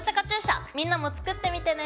みんなも作ってみてね！